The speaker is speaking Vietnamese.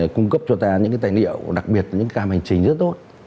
cung cấp cho ta những tài liệu đặc biệt những cam hành trình rất tốt